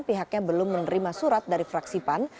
pihaknya belum menerima surat dari fraksi pan